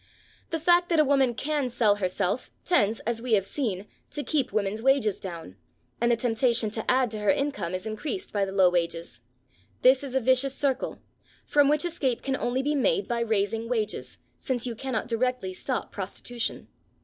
The fact that a woman can sell herself tends, as we have seen, to keep women's wages down, and the temptation to add to her income is increased by the low wages. This is a vicious circle, from which escape can only be made by raising wages, since you cannot directly stop prostitution.